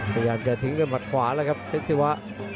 พยายามจะทิ้งด้วยหมัดขวาแล้วครับเพชรศิวะ